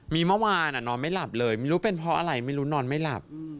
มีเมื่อวานนอนไม่หลับเลยไม่รู้เป็นเพราะอะไรไม่รู้นอนไม่หลับ